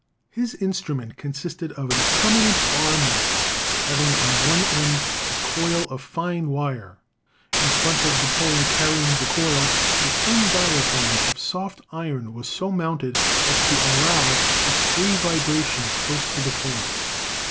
His instrument consisted of a permanent bar magnet having on one end a coil of fine wire. In front of the pole carrying the coil a thin diaphragm of soft iron was so mounted as to allow its free vibration close to the pole.